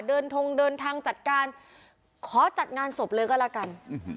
ทงเดินทางจัดการขอจัดงานศพเลยก็แล้วกัน